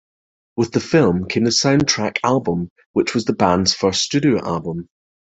With the film, came the soundtrack album, which was the band's first studio album.